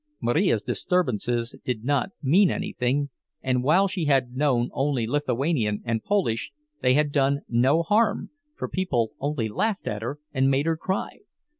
Marija's disturbances did not mean anything, and while she had known only Lithuanian and Polish, they had done no harm, for people only laughed at her and made her cry.